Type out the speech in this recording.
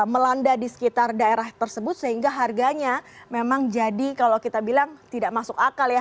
melanda di sekitar daerah tersebut sehingga harganya memang jadi kalau kita bilang tidak masuk akal ya